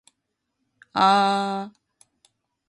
ぁー